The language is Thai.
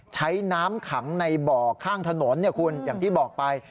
ใช้น้ำขังในบ่อข้างถนนคุณอย่างที่บอกไป